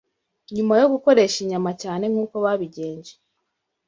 nyuma yo gukoresha inyama cyane nk’uko babigenje